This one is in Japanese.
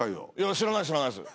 知らない知らないです。